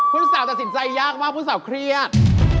ลูกสาวตัดสินใจยากมากผู้สาวเครียด